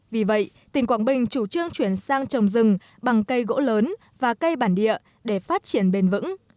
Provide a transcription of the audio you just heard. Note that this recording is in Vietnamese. vì vậy tỉnh quảng bình chủ trương chuyển sang trồng rừng bằng cây gỗ lớn và cây bản địa để phát triển bền vững